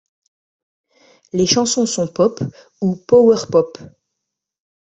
Les chansons sont pop ou power pop.